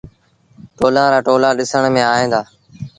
ٽولآن رآ ٽولآ ڏسڻ ميݩ ائيٚݩ دآ۔